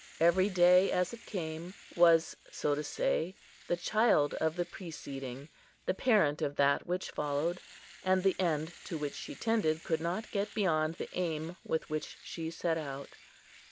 Every day, as it came, was, so to say, the child of the preceding, the parent of that which followed; and the end to which she tended could not get beyond the aim with which she set out.